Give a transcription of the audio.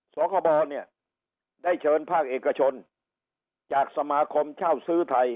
สรบเนี้ยได้เชิญภาคเดียวกันโชนจากสมาคมช้าวซื้อไทย